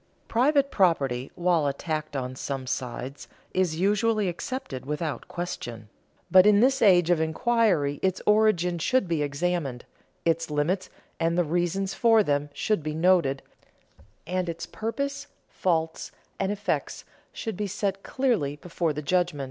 Private property, while attacked on some sides, is usually accepted without question; but in this age of inquiry its origin should be examined, its limits and the reasons for them should be noted, and its purpose, faults, and effects should be set clearly before the judgment.